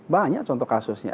banyak contoh kasusnya